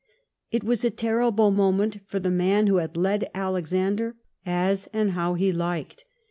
It was a terrible moment for the man who had led xVlexander as and how he liked.